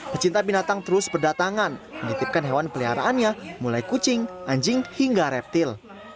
pecinta binatang terus berdatangan menitipkan hewan peliharaannya mulai kucing anjing hingga reptil